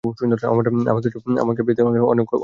আমার পেতে অনেক কষ্ট করতে হয়।